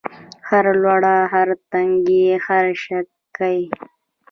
هره لوړه، هر تنګی هره شاګۍ